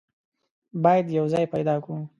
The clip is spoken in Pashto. بايد يو ځای پيدا کو.